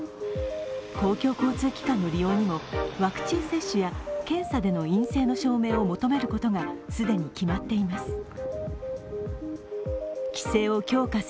公共交通機関の利用にもワクチン接種や検査での陰性の証明を求めることが既に決まっています。